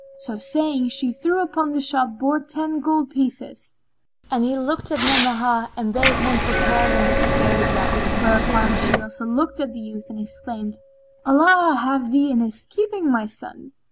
So saying, she threw upon the shop board ten gold pieces, and he looked at Ni'amah and bade him prepare the necessary drugs; whereupon she also looked at the youth and exclaimed, "Allah have thee in his keeping, O my son!